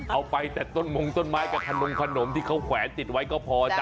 เอาไปจากต้นมงศ์ต้นไม้คนนมที่เขาแขวนติดไว้ก็พอจ๊ะ